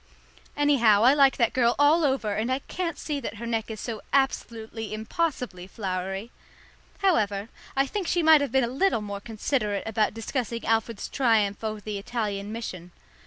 Anyhow, I like that girl all over, and I can't see that her neck is so absolutely impossibly flowery. However, I think she might have been a little more considerate about discussing Alfred's triumph over the Italian mission.